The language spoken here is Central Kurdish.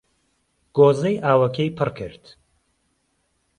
گۆزەی ئاوەکەی پڕ کرد